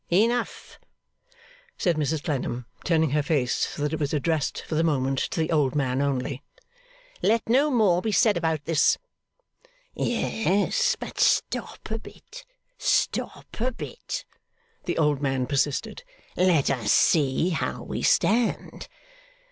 'Enough,' said Mrs Clennam, turning her face so that it was addressed for the moment to the old man only. 'Let no more be said about this.' 'Yes, but stop a bit, stop a bit,' the old man persisted. 'Let us see how we stand.